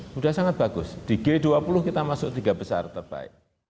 sudah sangat bagus di g dua puluh kita masuk tiga besar terbaik